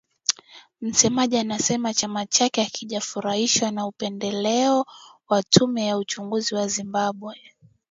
Msemaji alisema chama chake hakijafurahishwa na upendeleo wa tume ya uchaguzi wa Zimbabwe